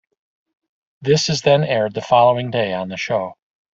This is then aired the following day on the show.